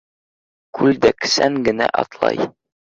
Күл дәксән генә атлай